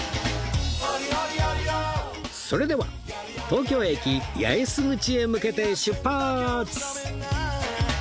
それでは東京駅八重洲口へ向けて出発！